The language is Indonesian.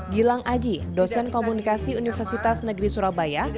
gilang aji dosen komunikasi universitas negeri surabaya